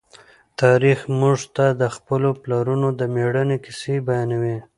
تاریخ موږ ته د خپلو پلرونو د مېړانې کیسې بیانوي.